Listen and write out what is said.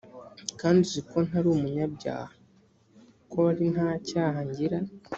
kandi uzi ko ntari umunyabyaha ko ari nta cyaha ngira